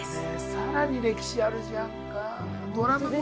更に歴史あるじゃんか。